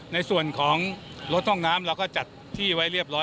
ในส่วนของรถห้องน้ำเราก็จัดที่ไว้เรียบร้อย